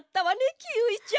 キーウィちゃん。